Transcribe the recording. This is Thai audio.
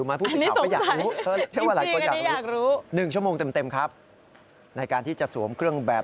อันนี้สงสัยจริงอันนี้อยากรู้เชื่อว่าหลายคนอยากรู้ครับในการที่จะสวมเครื่องแบบ